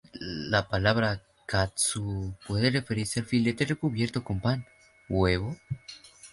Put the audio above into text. La palabra "Katsu" puede referirse al filete recubierto con pan, huevo.